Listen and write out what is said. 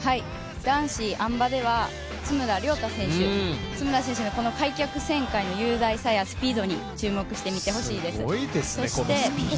男子あん馬では津村涼太選手、津村選手の、開脚旋回の雄大さやスピードに注目してみてほしいです